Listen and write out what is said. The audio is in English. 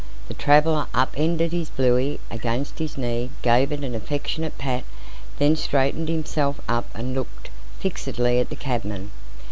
The traveller up ended his bluey against his knee, gave it an affectionate pat, and then straightened himself up and looked fixedly at the cabman.